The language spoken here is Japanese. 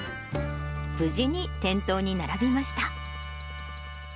無事に店頭に並びました。